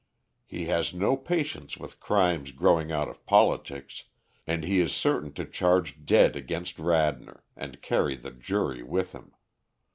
He has no patience with crimes growing out of politics, and he is certain to charge dead against Radnor, and carry the jury with him.